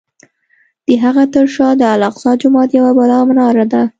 د هغه تر شا د الاقصی جومات یوه بله مناره ده.